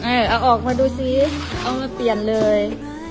เอาออกมาดูซิเอามาเปลี่ยนเลย